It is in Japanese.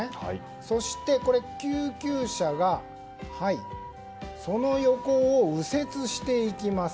そして、救急車がその横を右折していきます。